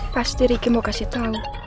pasti riki mau kasih tau